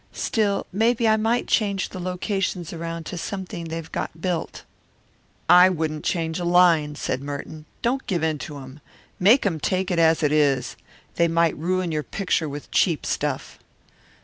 Still, maybe I might change the locations around to something they've got built." "I wouldn't change a line," said Merton. "Don't give in to 'em. Make 'em take it as it is. They might ruin your picture with cheap stuff."